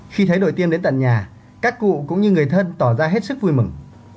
khi thấy đổi tiêm đến tận nhà các cụ cũng như người thân tỏ ra hết sức vui mừng